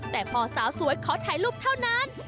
แต่พอสาวสวยขอถ่ายรูปเท่านั้น